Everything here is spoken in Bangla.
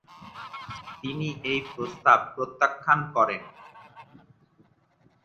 তিনি এই প্রস্তাব প্রত্যাখ্যান করেন।